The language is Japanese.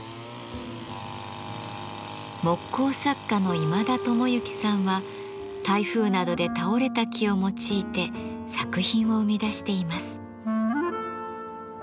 木工作家の今田智幸さんは台風などで倒れた木を用いて作品を生み出しています。